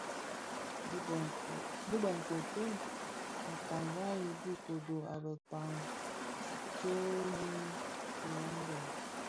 Dhi bi nkokwei a kpagianë bi kodo a bekpag tsok yi landen.